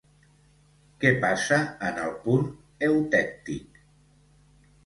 Què passa en el punt eutèctic?